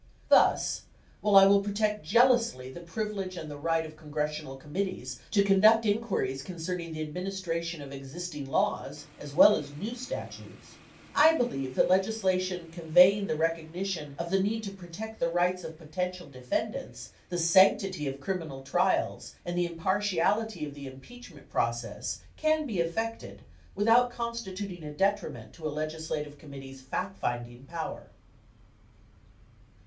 Thus, while I will protect jealously the privilege and the right of congressional com mittees to conduct inquiries concerning the administration of existing laws, as well as new statutes, I believe that legislation conveying the recognition of the need to protect the rights of potential defendants, the sanctity of criminal trials and the impartiality of the impeachment process can be effected without constituting a detriment to a legislative committee's fact finding power.